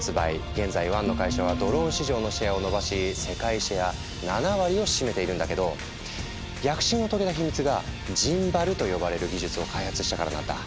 現在ワンの会社はドローン市場のシェアを伸ばし世界シェア７割を占めているんだけど躍進を遂げた秘密がジンバルと呼ばれる技術を開発したからなんだ。